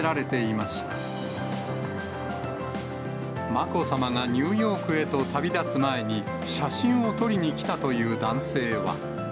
まこさまがニューヨークへと旅立つ前に、写真を撮りに来たという男性は。